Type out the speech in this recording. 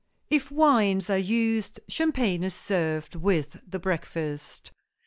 If wines are used, champagne is served with the breakfast.